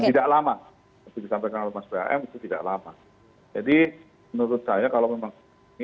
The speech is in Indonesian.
tidak lama seperti disampaikan oleh mas bam itu tidak lama jadi menurut saya kalau memang